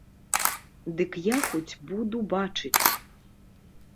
Дык я хоць буду бачыць.